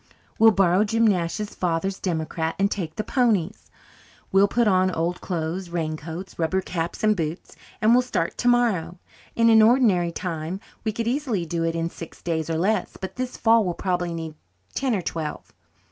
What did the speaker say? We'll borrow Jim Nash's father's democrat, and take the ponies. We'll put on old clothes, raincoats, rubber caps and boots, and we'll start tomorrow. In an ordinary time we could easily do it in six days or less, but this fall we'll probably need ten or twelve."